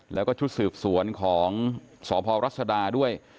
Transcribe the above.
แล้วก็ชุดสืบสวนของสพรัศดาด้วย